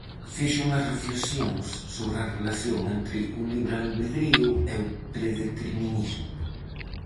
Fixo unhas reflexións sobre a relación entre o libre albedrío e o predeterminismo.